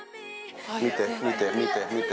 見て、見て、見て、見て。